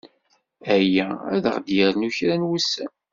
Aya ad aɣ-d-yernu kra n wussan.